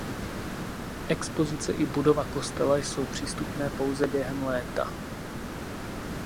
Expozice i budova kostela jsou přístupné pouze během léta.